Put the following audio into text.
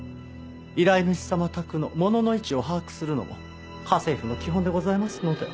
依頼主様宅の物の位置を把握するのは家政夫の基本でございますので。